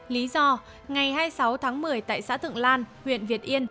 lý do ngày hai mươi sáu tháng một mươi tại xã thượng lan huyện việt yên